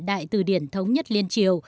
đại từ điển thống nhất liên triều